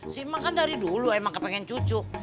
si emak kan dari dulu emang kepengen cucuk